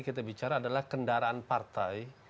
kita bicara adalah kendaraan partai